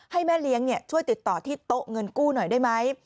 ให้แม่เลี้ยงช่วยติดต่อที่โต๊ะเงินกู้หน่อยได้ไหม